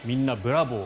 みんなブラボー！